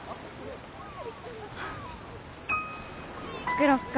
作ろっか。